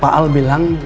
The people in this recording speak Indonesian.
pak aldebaran bilang